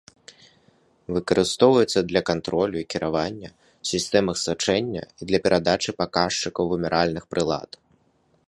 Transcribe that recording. Выкарыстоўваюцца для кантролю і кіравання ў сістэмах сачэння і для перадачы паказчыкаў вымяральных прылад.